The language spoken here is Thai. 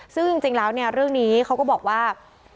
ซึ่งจริงแล้วเนี่ยเรื่องนี้เขาก็บอกว่า